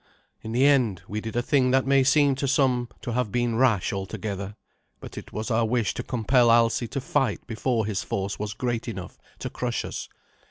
In the end we did a thing that may seem to some to have been rash altogether, but it was our wish to compel Alsi to fight before his force was great enough to crush us.